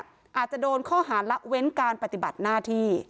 อาจจะโดนข้อหาละเว้นการปฏิบัติหน้าที่